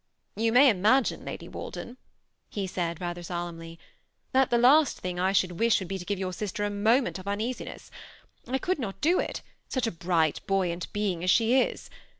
" You may imagine, Lady Walden, he said, rather solemnly, ^ that the last thing I should wish would be to give your sister a moment of uneasiness. I coold not do it, such a bright, buoyant being as she is.